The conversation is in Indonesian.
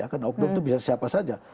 karena oknum itu bisa siapa saja